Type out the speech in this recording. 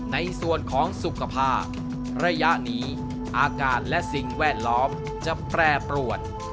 ในส่วนของสุขภาพระยะนี้อาการและสิ่งแวดล้อมจะแปรปรวน